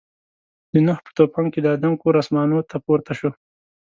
د نوح په طوفان کې د آدم کور اسمانو ته پورته شو.